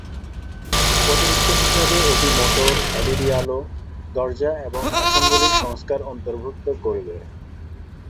অতিরিক্ত হিসাবে এটি মোটর, এলইডি আলো, দরজা এবং আসনগুলির সংস্কার অন্তর্ভুক্ত করবে।